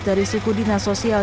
dari siku dinas sosial